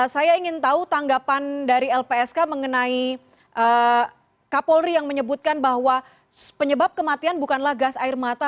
saya ingin tahu tanggapan dari lpsk mengenai kapolri yang menyebutkan bahwa penyebab kematian bukanlah gas air mata